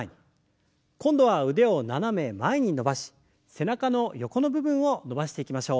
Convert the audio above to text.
今度は腕を斜め前に伸ばし背中の横の部分を伸ばしていきましょう。